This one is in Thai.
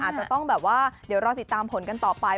อาจจะต้องแบบว่าเดี๋ยวรอติดตามผลกันต่อไป